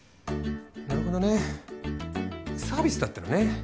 なるほどねサービスだったのね。